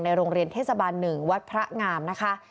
โรงเรียนเทศบาล๑วัดพระงามนะคะ